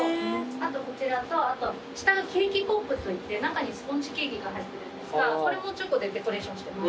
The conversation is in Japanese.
あとこちらと下がケーキポップといって中にスポンジケーキが入ってるんですがこれもチョコでデコレーションしてます。